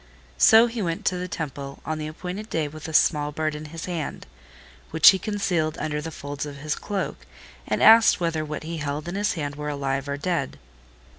So he went to the temple on the appointed day with a small bird in his hand, which he concealed under the folds of his cloak, and asked whether what he held in his hand were alive or dead.